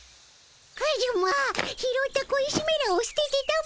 カジュマ拾った小石めらをすててたも。